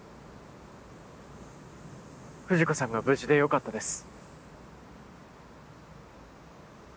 藤子さんが無事でよかったです。